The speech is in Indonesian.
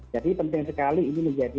jadi penting sekali ini menjadi